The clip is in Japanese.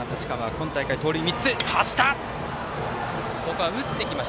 今大会、盗塁３つ。